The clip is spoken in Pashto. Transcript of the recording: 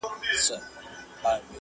• ستا په غاړه کي مي لاس وو اچولی -